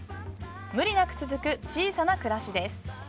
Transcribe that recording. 無理なく続く小さな暮らしです。